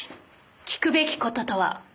聞くべき事とは？